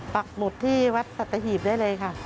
ปักหมุดที่วัดสัตหีบได้เลยค่ะ